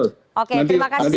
oke terima kasih sekali